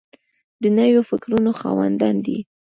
د نویو فکرونو خاوندان دي.